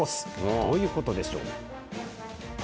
どういうことでしょう。